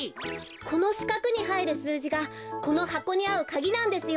このしかくにはいるすうじがこのはこにあうかぎなんですよ。